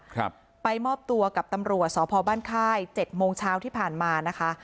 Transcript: ครับไปมอบตัวกับตำรวจสพบ้านค่ายเจ็ดโมงเช้าที่ผ่านมานะคะ